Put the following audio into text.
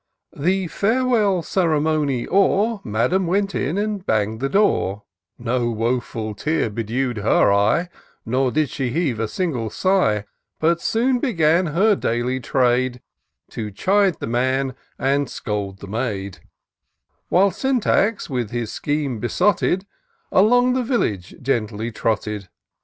HE farewell cere mony o'er, Madam went in and bang'd the door : No woful tear bedew'd her eye, Nor did she heave a single sigh ; But soon began her daily trade, To chide the man and scold the maid ; While Syntax, with his scheme besotted, Along the village gently trotted.